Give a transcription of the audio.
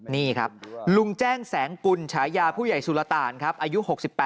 นี่ครับลุงแจ้งแสงกุลฉายาผู้ใหญ่สุรตานครับอายุ๖๘